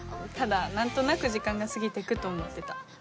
ただ何となく時間が過ぎてくと思ってた。